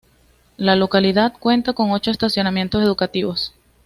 La localidad cuenta con ocho establecimientos educativos.